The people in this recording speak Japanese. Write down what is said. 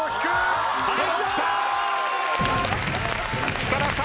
設楽さん